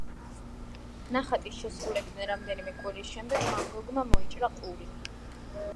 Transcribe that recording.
ნახატის შესრულებიდან რამდენიმე კვირის შემდეგ, ვან გოგმა მოიჭრა ყური.